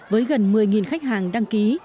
với gần một mươi khách hàng đăng ký